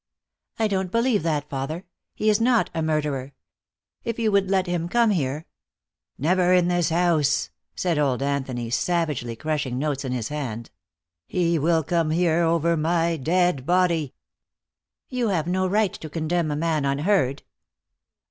"I don't believe that, father. He is not a murderer. If you would let him come here " "Never in this house," said old Anthony, savagely crushing notes in his hand. "He will come here over my dead body." "You have no right to condemn a man unheard."